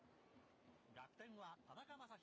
楽天は田中将大。